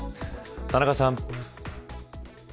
田中さん。